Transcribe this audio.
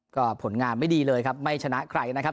ก็ผลงานไม่ดีเลยครับไม่ชนะใครนะครับ